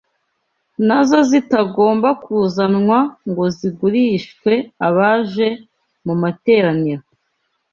nazo zitagomba kuzanwa ngo zigurishwe abaje mu materaniro